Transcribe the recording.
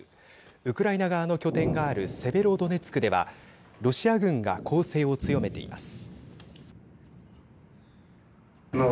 ウクライナ側の拠点があるセベロドネツクではロシア軍が攻勢を強めています。